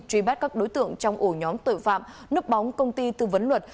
truy bắt các đối tượng trong ổ nhóm tội phạm núp bóng công ty tư vấn luật